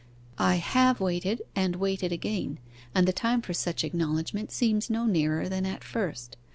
I have waited, and waited again, and the time for such acknowledgment seems no nearer than at first.